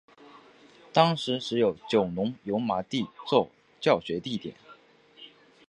当时只有九龙油麻地作教学地点。